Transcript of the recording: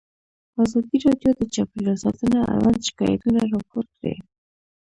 ازادي راډیو د چاپیریال ساتنه اړوند شکایتونه راپور کړي.